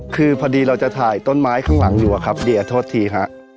คือพอดีเราจะถ่ายต้นไม้ข้างหลังอยู่อะครับเดียโทษทีฮะ